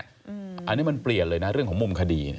อันนี้มันเปลี่ยนเลยนะเรื่องของมุมคดี